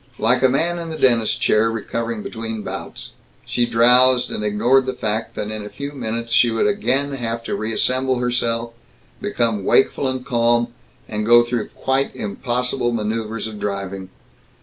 Like a man in the dentist's chair, recovering between bouts, she drowsed and ignored the fact that in a few minutes she would again have to reassemble herself, become wakeful and calm, and go through quite impossible maneuvers of driving.